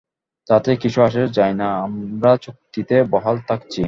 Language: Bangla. তাতে কিছু আসে যায় না, আমরা চুক্তিতে বহাল থাকছি।